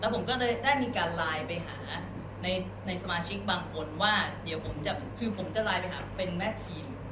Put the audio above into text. ผมก็ได้มีการไลน์ไปหาในสมาชิกบางคนว่าผมจะไลน์ไปหาเฟรมแมทชีม